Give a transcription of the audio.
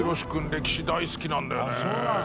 歴史大好きなんだよね」